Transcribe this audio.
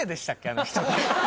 あの人。